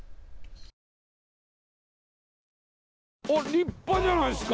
立派じゃないですか！